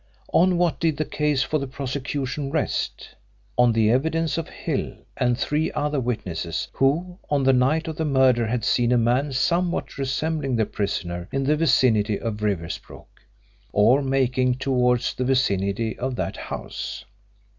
On what did the case for the prosecution rest? On the evidence of Hill and three other witnesses who, on the night of the murder, had seen a man somewhat resembling the prisoner in the vicinity of Riversbrook, or making towards the vicinity of that house.